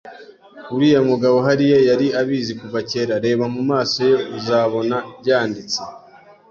uriya mugabo hariya yari abizi kuva kera. Reba mumaso ye uzabona byanditse